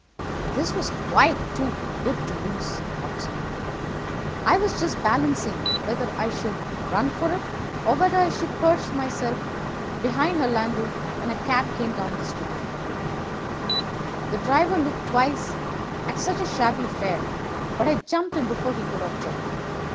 "This was quite too good to lose, Watson. I was just balancing whether I should run for it, or whether I should perch behind her landau, when a cab came through the street. The driver looked twice at such a shabby fare; but I jumped in before he could object.